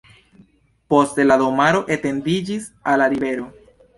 Poste la domaro etendiĝis al la rivero.